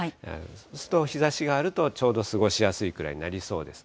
そうすると日ざしがあると、ちょうど過ごしやすいくらいになりそうです。